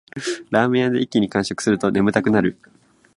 ラーメン屋で一気に完食すると眠たくなる